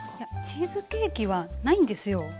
チーズケーキはないんですよ。